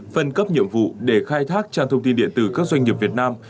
phân cấp nhiệm vụ để khai thác trang thông tin điện tử các doanh nghiệp việt nam